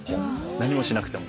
何もしなくても。